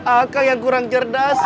akang yang kurang cerdas